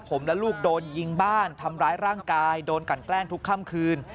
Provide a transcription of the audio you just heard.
ผมและลูกโดนยิงบ้านทำร้ายร่างกายโดนกันแกล้งทุกค่ำคืน